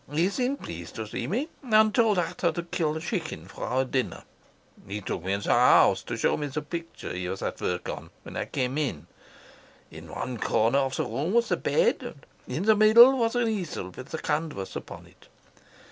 He seemed pleased to see me, and told Ata to kill a chicken for our dinner. He took me into the house to show me the picture he was at work on when I came in. In one corner of the room was the bed, and in the middle was an easel with the canvas upon it.